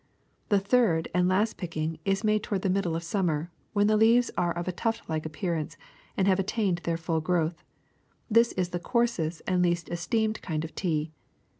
The third and last picking is made toward the middle of summer, when the leaves are of tuftlike appear ance and have attained their full growth. This is the coarsest and least esteemed kind of tea.